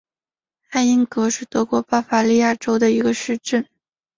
艾因格是德国巴伐利亚州的一个市镇。